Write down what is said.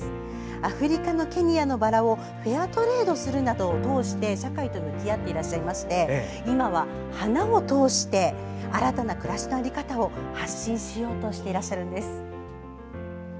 アフリカのケニアのバラをフェアトレードするなどを通して社会と向き合っていまして今は花を通して新たな暮らしの在り方を発信しようとしていらっしゃるんです。